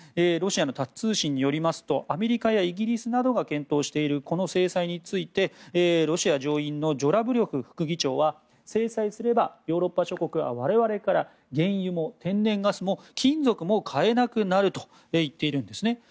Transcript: ロシアのタス通信によりますとアメリカやイギリスなどが検討しているこの制裁についてロシア上院のジュラブリョフ副議長は制裁すれば、ヨーロッパ諸国は我々から原油も天然ガスも金属も買えなくなると言っているんですね。